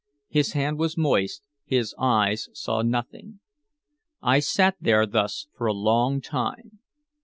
His hand was moist, his eyes saw nothing. I sat there thus for a long time.